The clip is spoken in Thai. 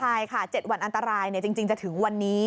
ใช่ค่ะ๗วันอันตรายจริงจะถึงวันนี้